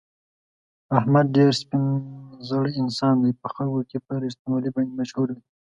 احمد ډېر سپین زړی انسان دی، په خلکو کې په رښتینولي باندې مشهور دی.